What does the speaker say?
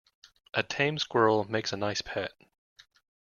A tame squirrel makes a nice pet.